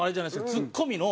ツッコミの。